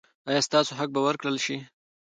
ایا ستاسو حق به ورکړل شي؟